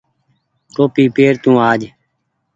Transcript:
ٽوپي پير تو آج۔